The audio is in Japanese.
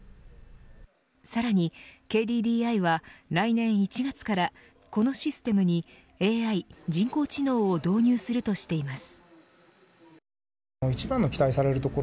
さらにＫＤＤＩは来年１月から、このシステムにＡＩ人工知能を導入するとしています。